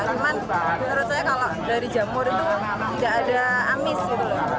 cuman menurut saya kalau dari jamur itu tidak ada amis gitu loh